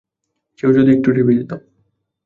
কেউ যদি একটু টিপে দিত।